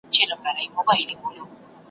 د رندانو له مستۍ به تیارې تښتي ,